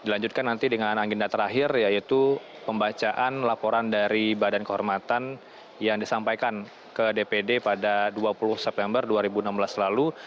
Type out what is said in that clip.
dilanjutkan nanti dengan agenda terakhir yaitu pembacaan laporan dari badan kehormatan yang disampaikan ke dpd pada dua puluh september dua ribu enam belas lalu